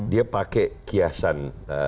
dia pakai kiasan